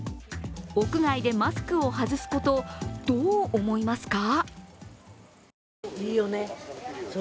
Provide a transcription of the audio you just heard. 屋外でマスクを外すこと、どう思いますか？